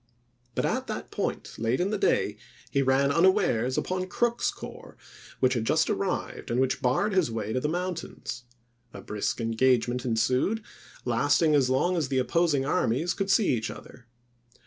But at that point, late in the day, he ran unawares upon Crook's corps, which had just arrived, and which barred his way to the mountains. A brisk engagement en sued, lasting as long as the opposing armies could see each other.